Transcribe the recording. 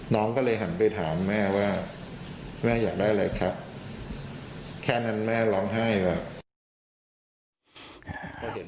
น้องก็เลยหันไปถามแม่ว่าแม่อยากได้อะไรครับแค่นั้นแม่ร้องไห้แบบ